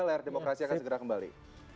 layar demokrasi akan segera kembali